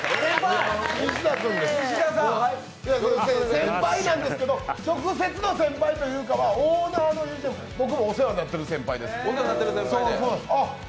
先輩なんですけど直接の先輩というかはオーナーがお世話になっている先輩です。